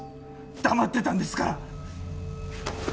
黙ってたんですから！